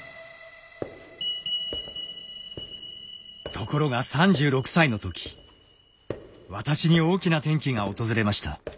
ところが３６歳の時私に大きな転機が訪れました。